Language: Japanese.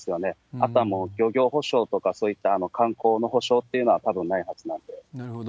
あとはもう漁業補償とかそういった観光の補償っていうのはたぶんなるほど。